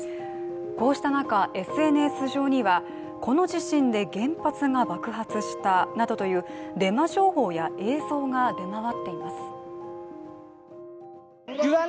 こうした中、ＳＮＳ上にはこの地震で原発が爆発したなどというデマ情報や映像が出回っています。